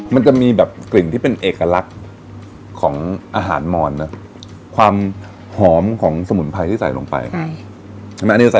มันจะมีแบบกลิ่นที่เป็นเอกลักษณ์ของอาหารมอนนะความหอมของสมุนไพรที่ใส่ลงไปใช่ไหม